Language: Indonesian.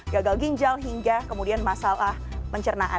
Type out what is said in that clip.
gagal ginjal hingga kemudian masalah pencernaan